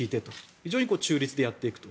非情に中立でやってと。